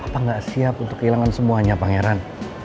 papa gak siap untuk kehilangan semuanya pangeran